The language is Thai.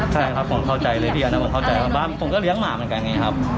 ใช่ครับผมเข้าใจเลยผมก็เลี้ยงหมากเหมือนกันไงครับ